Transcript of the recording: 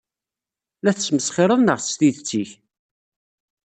La tesmesxireḍ neɣ s tidet-ik?